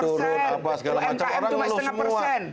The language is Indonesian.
umkm cuma setengah persen